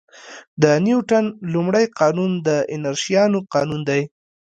د نیوټن لومړی قانون د انرشیا قانون دی.